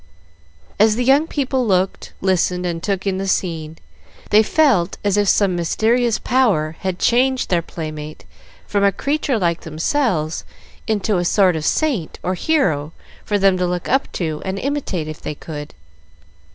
As the young people looked, listened, and took in the scene, they felt as if some mysterious power had changed their playmate from a creature like themselves into a sort of saint or hero for them to look up to, and imitate if they could.